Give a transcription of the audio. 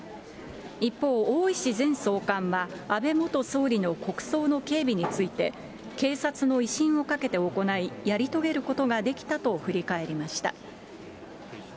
一方、大石前総監は、安倍元総理の国葬の警備について、警察の威信をかけて行い、やり遂げることができたと振り返りました。